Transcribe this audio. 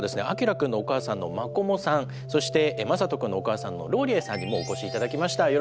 あきらくんのお母さんのマコモさんそしてまさとくんのお母さんのローリエさんにもお越し頂きました。